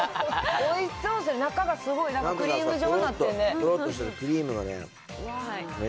おいしそうで、中がすごいクリーム状になってるね。